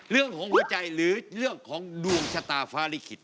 เรื่องของหัวใจหรือเรื่องของดวงชะตาฟ้าลิขิต